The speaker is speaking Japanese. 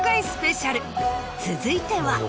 続いては。